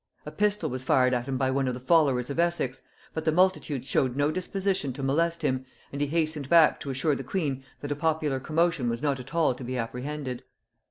A pistol was fired at him by one of the followers of Essex; but the multitude showed no disposition to molest him, and he hastened back to assure the queen that a popular commotion was not at all to be apprehended.